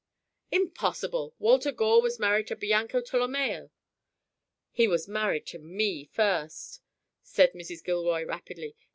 "Impossible. Walter Gore was married to Bianca Tolomeo!" "He was married to me first," said Mrs. Gilroy, rapidly.